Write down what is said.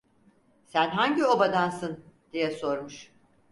"Sen hangi obadansın?" diye sormuş.